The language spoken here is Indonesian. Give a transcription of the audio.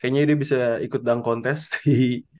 kayaknya dia bisa ikut dalam kontes di